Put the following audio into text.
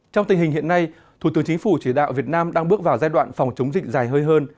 trong tình hình hiện nay thủ tướng chính phủ chỉ đạo việt nam đang bước vào giai đoạn phòng chống dịch dài hơi hơn